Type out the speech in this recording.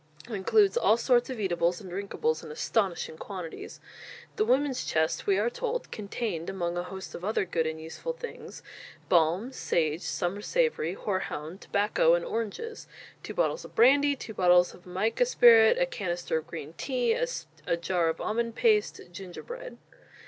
It includes all sorts of eatables and drinkables in astonishing quantities. The "Women's Chest," we are told, contained, among a host of other good and useful things, "Balm, sage, summer Savoury, horehound, Tobacco, and Oranges; two bottles of Brandy, two bottles of Jamaica Spirrit, A Canister of green tea, a Jar of Almond paste, Ginger bread."